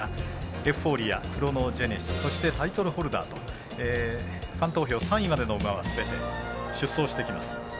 エフフォーリアクロノジェネシスタイトルホルダーとファン投票３位までの馬はすべて出走してきます。